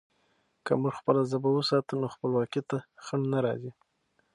که موږ خپله ژبه وساتو، نو خپلواکي ته خنډ نه راځي.